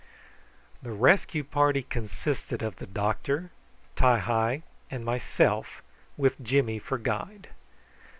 The rescue party consisted of the doctor, Ti hi, and myself, with Jimmy for guide.